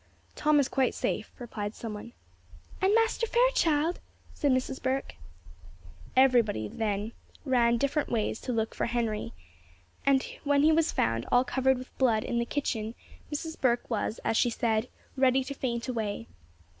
"Tom is quite safe," replied someone. "And Master Fairchild?" said Mrs. Burke. Every one then ran different ways to look for Henry, and when he was found, all covered in blood, in the kitchen, Mrs. Burke was, as she said, ready to faint away.